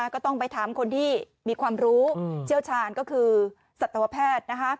ก็ต้องไปถามคนที่มีความรู้เชี่ยวชาญก็คือสัตวแพทย์